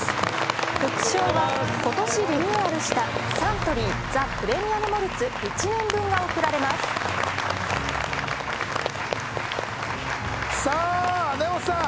副賞は今年リニューアルしたサントリーザ・プレミアム・モルツ１年分が贈られますさあ根本さん